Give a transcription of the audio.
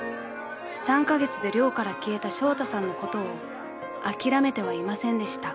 ［３カ月で寮から消えたショウタさんのことを諦めてはいませんでした］